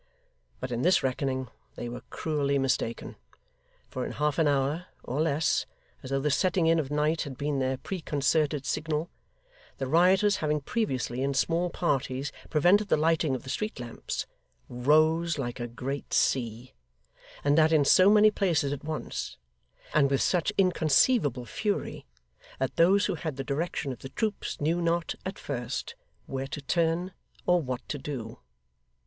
But in this reckoning they were cruelly mistaken, for in half an hour, or less, as though the setting in of night had been their preconcerted signal, the rioters having previously, in small parties, prevented the lighting of the street lamps, rose like a great sea; and that in so many places at once, and with such inconceivable fury, that those who had the direction of the troops knew not, at first, where to turn or what to do.